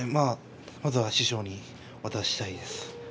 まずは師匠に渡したいです。